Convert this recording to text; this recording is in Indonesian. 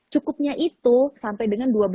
cukupnya itu sampai dengan dua belas